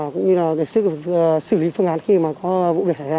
cũng như là để xử lý phương án khi mà có vụ việc xảy ra